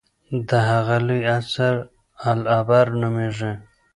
د هغه لوی اثر العبر نومېږي.